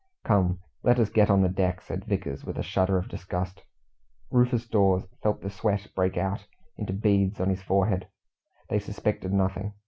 "Come, let us get on deck," said Vickers, with a shudder of disgust. Rufus Dawes felt the sweat break out into beads on his forehead. They suspected nothing.